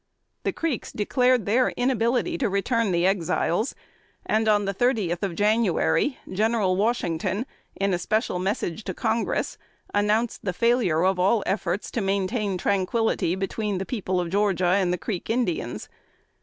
] The Creeks declared their inability to return the Exiles, and, on the thirtieth of January, General Washington, in a Special Message to Congress, announced the failure of all efforts to maintain tranquillity between the people of Georgia and the Creek Indians.